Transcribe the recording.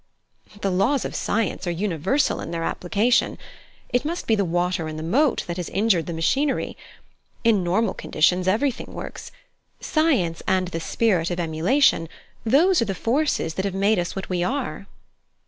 "The laws of science are universal in their application. It must be the water in the moat that has injured the machinery. In normal conditions everything works. Science and the spirit of emulation those are the forces that have made us what we are."